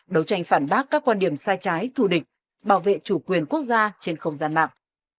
đấu tranh phản bác các quan điểm sai trái thù địch bảo vệ chủ quyền quốc gia trên không gian mạng